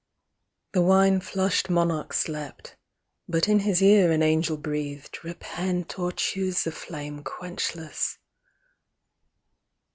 The wine flushed monarch slept â but in his ear An angel breathed â " Repent ; or choose the flame Quenchless."